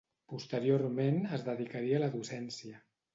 Posteriorment es dedicaria a la docència.